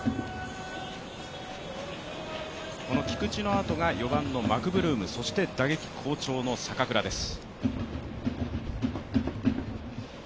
菊池のあとが４番のマクブルームそして打撃好調の坂倉です。